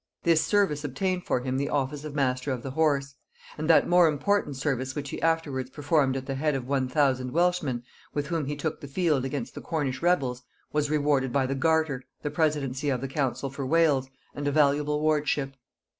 This service obtained for him the office of master of the horse; and that more important service which he afterwards performed at the head of one thousand Welshmen, with whom he took the field against the Cornish rebels, was rewarded by the garter, the presidency of the council for Wales, and a valuable wardship.